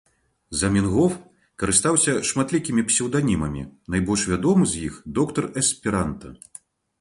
Заменгоф карыстаўся шматлікімі псеўданімамі, найбольш вядомы з якіх — Доктар Эсперанта